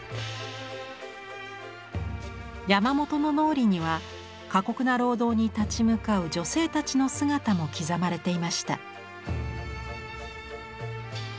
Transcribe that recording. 山本の脳裏には過酷な労働に立ち向かう女性たちの姿も刻まれていました。